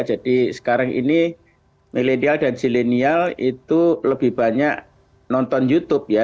jadi sekarang ini milenial dan zilenial itu lebih banyak nonton youtube ya